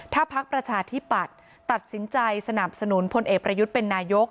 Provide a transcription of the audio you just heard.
ถ้าพักประชาธิปัตย์ตัดสินใจสนับสนุนพลเอกประยุทธ์เป็นนายก